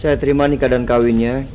saya terima nikah dan kawinnya